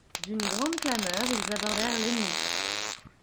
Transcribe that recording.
D'une grande clameur, ils abordèrent l'ennemi.